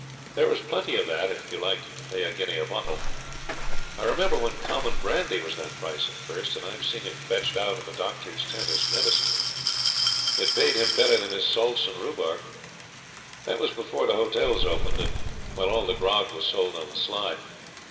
There was plenty of that if you liked to pay a guinea a bottle. I remember when common brandy was that price at first, and I've seen it fetched out of a doctor's tent as medicine. It paid him better than his salts and rhubarb. That was before the hotels opened, and while all the grog was sold on the sly.